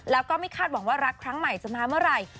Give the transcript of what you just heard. แล้วก็ไม่คาดหวังว่ารักครั้งใหม่จะมาเมื่อไหร่